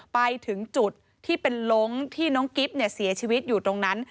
ไปถึงจุดที่เป็นล้งที่น้องกิ๊บเสียชีวิตอยู่ตรงนั้น